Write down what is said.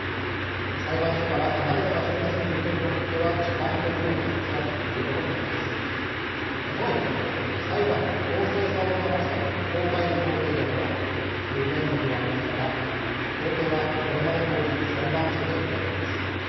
裁判所から離れた場所に住む人にとっては時間と費用の節約ということになります。とは言っても裁判は、公正さを保つために公開の法廷で行うという原則がありますから法廷は、これまでどおり裁判所で開かれます。